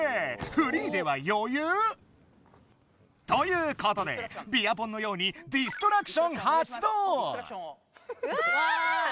フリーではよゆう⁉ということでビアポンのようにディストラクションはつどう！わ！